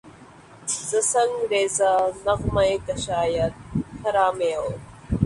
ز سنگ ریزہ نغمہ کشاید خرامِ او